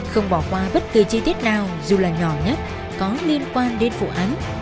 không bỏ qua bất kỳ chi tiết nào dù là nhỏ nhất có liên quan đến vụ án